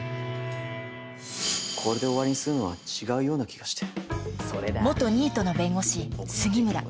これで終わりにするのは違うような気がして。